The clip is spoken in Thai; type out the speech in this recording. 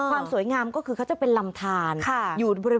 เอ่อความสวยงามก็ก็คือเขาจะเป็นลำธานก่อนอยู่บริเวณ